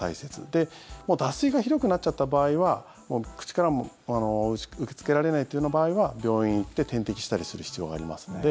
で、もう脱水がひどくなっちゃった場合はもう口から受け付けられないというような場合は病院に行って、点滴したりする必要がありますので。